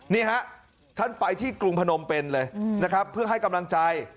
นี่ฮะท่านไปที่กรุงพนมเป็นเลยนะครับเพื่อให้กำลังใจ